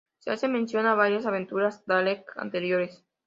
Se hace mención a varias aventuras Daleks anteriores.